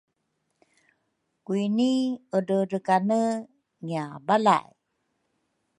Kwini edredrekane ngiabalay